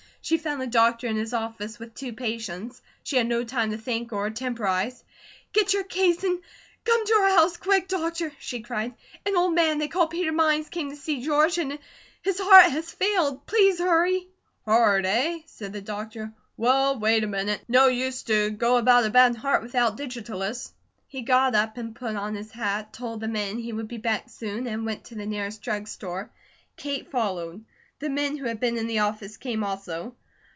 She found the doctor in his office with two patients. She had no time to think or temporize. "Get your case and come to our house quick, doctor," she cried. "An old man they call Peter Mines came to see George, and his heart has failed. Please hurry!" "Heart, eh?" said the doctor. "Well, wait a minute. No use to go about a bad heart without digitalis." He got up and put on his hat, told the men he would be back soon, and went to the nearest drug store. Kate followed. The men who had been in the office came also.